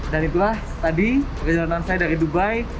dan itulah tadi perjalanan saya dari dubai